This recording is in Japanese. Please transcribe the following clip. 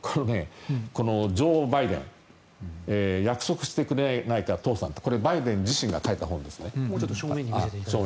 この「ジョー・バイデン約束してくれないか、父さん」バイデン自身が書いた本ですね。